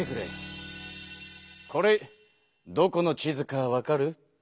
これどこの地図かわかる？